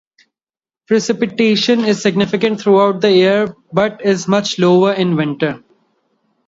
Precipitation is significant throughout the year, but is much lower in winter.